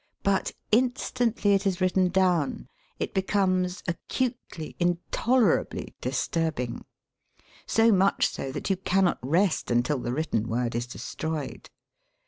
But, instantly it is written down it becomes acutely, intolerably dis turbing — so much so that you cannot rest until the written word is destroyed.